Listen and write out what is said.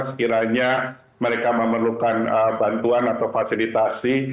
sekiranya mereka memerlukan bantuan atau fasilitasi